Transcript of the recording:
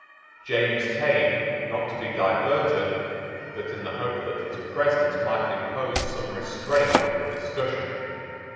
James came, not to be diverted, but in the hope that his presence might impose some restraint on the discussion.